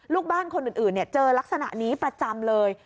ลูกบ้านคนอื่นเจอลักษณะนี้ประจำเลย